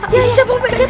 ya ya siap bang mope